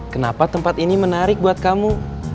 kenapa tempat ini menarik buat kamu